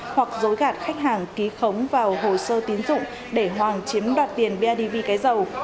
hoặc dối gạt khách hàng ký khống vào hồ sơ tiến dụng để hoàng chiếm đoạt tiền bidv cái dầu